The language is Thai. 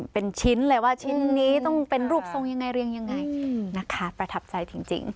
เป็นชิ้นเลยว่าชิ้นนี้ต้องเป็นรูปทรงยังไงเรียงยังไงนะคะประทับใจจริง